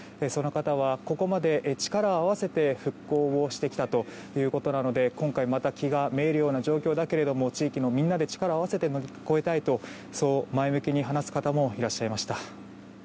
その方はここまで力を合わせて復興をしてきたということなので今回また気が滅入るような状況だけれども地域のみんなで力を合わせて乗り越えたいと前向きに話す方もいらっしゃいました。